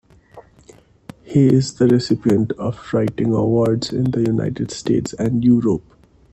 He is the recipient of writing awards in the United States and Europe.